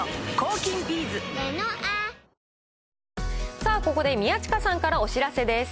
さあ、ここで宮近さんからお知らせです。